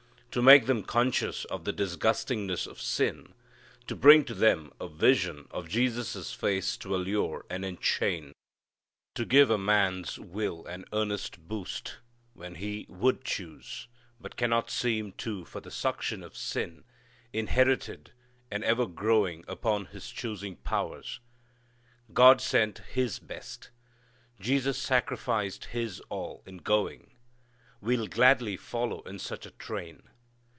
To make them conscious of the disgustingness of sin, to bring to them a vision of Jesus' face to allure, and enchain, to give a man's will an earnest boost, when he _ would_ choose, but cannot seem to for the suction of sin, inherited and ever growing upon his choosing powers. God sent His best. Jesus sacrificed His all in going. We'll gladly follow in such a train.